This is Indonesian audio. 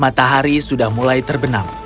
matahari sudah mulai terbenam